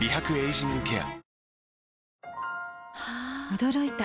驚いた。